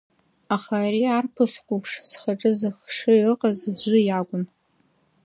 Аха ари арԥыс қәыԥш зхаҿы зыхшыҩ ыҟаз аӡәы иакәын.